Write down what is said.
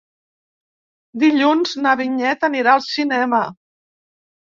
Dilluns na Vinyet anirà al cinema.